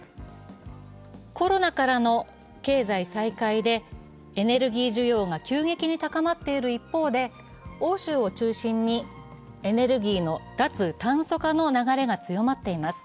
コロナからの経済再開でエネルギー需要が急激に高まっている一方欧州を中心にエネルギーの脱炭素化の流れが強まっています。